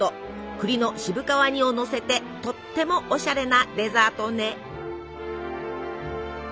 栗の渋皮煮をのせてとってもおしゃれなデザートね。